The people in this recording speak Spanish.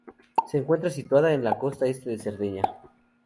Se encuentra situada en la costa este de Cerdeña.